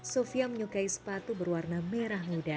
sofia menyukai sepatu berwarna merah muda